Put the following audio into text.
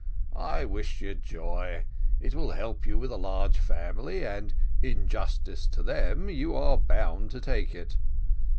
I wish you joy; it will help you with a large family, and in justice to them you are bound to take it.